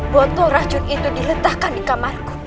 botol racun itu diletakkan di kamarku